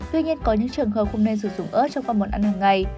tuy nhiên có những trường hợp không nên sử dụng ớt trong các món ăn hằng ngày